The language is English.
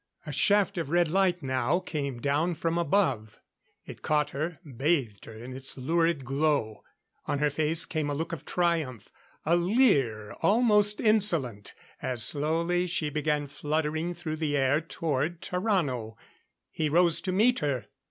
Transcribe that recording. A shaft of red light now came down from above. It caught her, bathed her in its lurid glow. On her face came a look of triumph, and a leer almost insolent, as slowly she began fluttering through the air toward Tarrano. He rose to meet her.